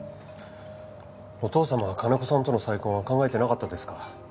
お父様は金子さんとの再婚は考えてなかったですか？